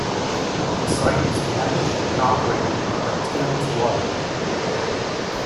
The site is managed and operated by Thames Water.